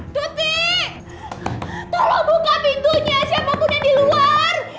cuti tolong buka pintunya siapapun yang di luar